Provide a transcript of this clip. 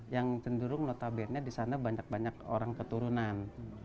yang cenderung notabene di sana banyak banyak orang keturunan